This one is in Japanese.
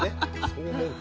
そう思うと。